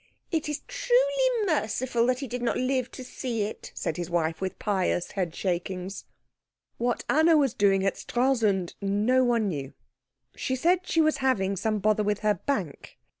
"It is truly merciful that he did not live to see it," said his wife, with pious head shakings. What Anna was doing at Stralsund, no one knew. She said she was having some bother with her bank.